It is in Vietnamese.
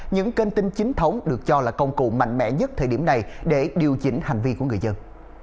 những kênh tin chính thống được cho là công cụ mạnh mẽ nhất thời điểm này để điều chỉnh hành vi của người dân